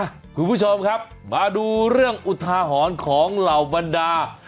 คุณผู้ชมครับมาดูเรื่องอุทาหรณ์ของเหล่าบรรดา